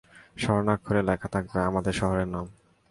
স্বর্ণাক্ষরে লেখা থাকবে, আমাদের শহরের নাম।